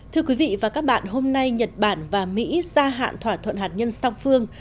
thưa quý vị và các bạn hôm nay nhật bản và mỹ gia hạn thỏa thuận hạt nhân song phương